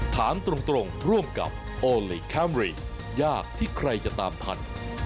ถามตรงร่วมกับโอลี่คัมรี่ยากที่ใครจะตามทัน